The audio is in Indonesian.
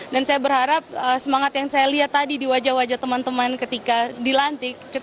dan saya berharap semangat yang saya lihat tadi di wajah wajah teman teman ketika dilantik